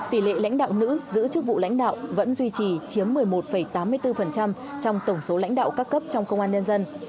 tỷ lệ lãnh đạo nữ giữ chức vụ lãnh đạo vẫn duy trì chiếm một mươi một tám mươi bốn trong tổng số lãnh đạo các cấp trong công an nhân dân